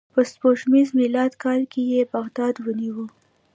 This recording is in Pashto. په سپوږمیز میلادي کال یې بغداد ونیو.